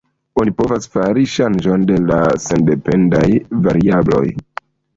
Oni povas fari ŝanĝon de la sendependaj variabloj.